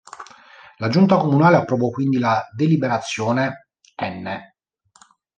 La Giunta Comunale approvò quindi la deliberazione n.